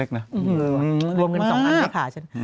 เลยหรือเปล่ามากรวมกันสองอันนี้ขาฉัน